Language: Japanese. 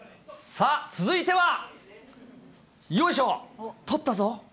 さあ、続いては、よいしょ、捕ったぞ。